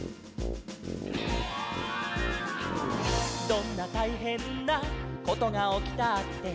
「どんなたいへんなことがおきたって」